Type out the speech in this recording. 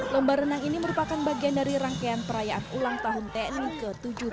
lomba renang ini merupakan bagian dari rangkaian perayaan ulang tahun tni ke tujuh puluh delapan